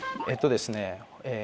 えっとですね